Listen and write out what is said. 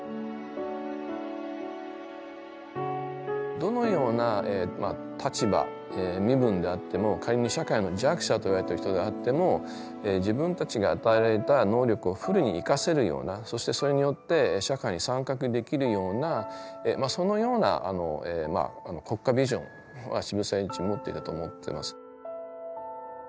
どのような立場身分であっても仮に社会の弱者といわれてる人であっても自分たちが与えられた能力をフルに生かせるようなそしてそれによって社会に参画できるようなそのような国家ビジョンは渋沢栄一が持ってたと思ってます。